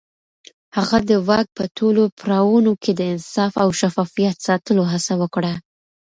هغه د واک په ټولو پړاوونو کې د انصاف او شفافيت ساتلو هڅه وکړه.